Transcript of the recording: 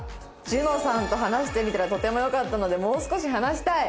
「樹乃さんと話してみたらとても良かったのでもう少し話したい」。